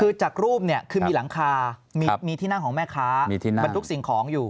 คือจากรูปเนี่ยคือมีหลังคามีที่นั่งของแม่ค้าบรรทุกสิ่งของอยู่